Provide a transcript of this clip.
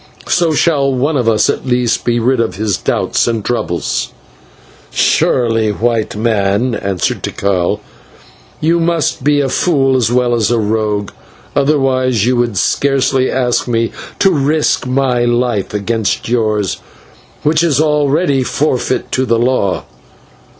So shall one of us at least be rid of his doubts and troubles." "Surely, White Man," answered Tikal, "you must be a fool as well as a rogue, otherwise you would scarcely ask me to risk my life against yours, which is already forfeit to the law.